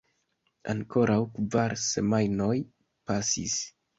Ankoraŭ kvar semajnoj pasis.